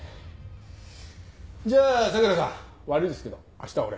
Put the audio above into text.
じゃあ佐倉さん悪いですけど明日俺。